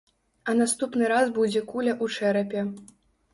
А наступны раз будзе куля ў чэрапе.